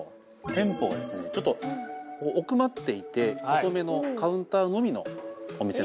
店舗がですねちょっと奥まっていて細めのカウンターのみのお店なんですけどこれ。